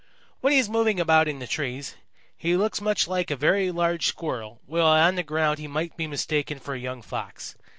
"When he is moving about in the trees, he looks much like a very large Squirrel, while on the ground he might be mistaken for a young Fox.